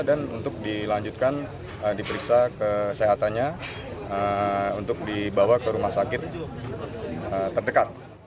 dan untuk dilanjutkan diperiksa kesehatannya untuk dibawa ke rumah sakit terdekat